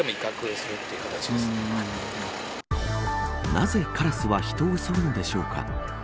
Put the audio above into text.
なぜカラスは人を襲うのでしょうか。